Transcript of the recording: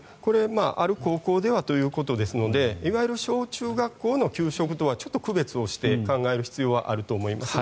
ある高校ではということですのでいわゆる小中学校の給食とはちょっと区別をして考える必要はあると思います。